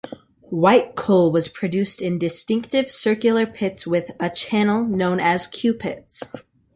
White coal was produced in distinctive circular pits with a channel, known as Q-pits.